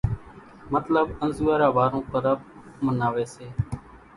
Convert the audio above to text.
مطلٻ انزوئارا وارون پرٻ مناوي سي۔